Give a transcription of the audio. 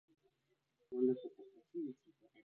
The current director is Sean Rainbird.